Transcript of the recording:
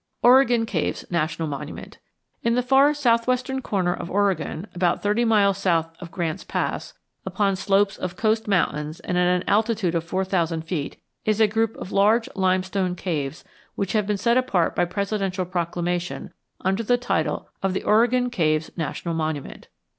OREGON CAVES NATIONAL MONUMENT In the far southwestern corner of Oregon, about thirty miles south of Grant's Pass, upon slopes of coast mountains and at an altitude of four thousand feet, is a group of large limestone caves which have been set apart by presidential proclamation under the title of the Oregon Caves National Monument.